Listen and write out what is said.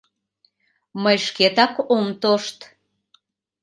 Мый шкетак ом тошт.